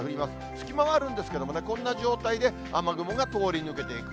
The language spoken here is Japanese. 隙間はあるんですけど、こんな状態で雨雲が通り抜けていく。